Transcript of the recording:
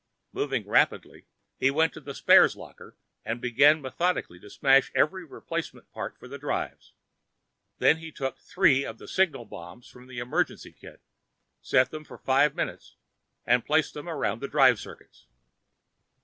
Moving rapidly, he went to the spares locker and began methodically to smash every replacement part for the drivers. Then he took three of the signal bombs from the emergency kit, set them for five minutes, and placed them around the driver circuits.